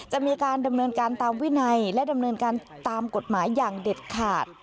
จะมีการดำเนินการตามวินัยและดำเนินการตามกฎหมายอย่างเด็ดขาด